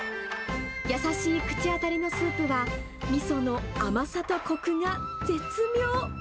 優しい口当たりのスープは、みその甘さとこくが絶妙。